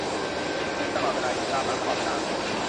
รีบตลอดเวลา อยู่ตามหลังตลอดเวลา